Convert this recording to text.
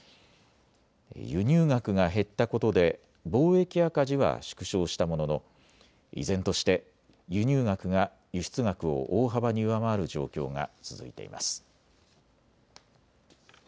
輸入額が減ったことで貿易赤字は縮小したものの依然として輸入額が輸出額を大幅に上回る状況が続いています。